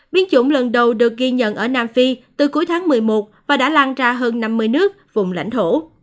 biến chủng lần đầu được ghi nhận ở nam phi từ cuối tháng một mươi một và đã lan ra hơn năm mươi nước vùng lãnh thổ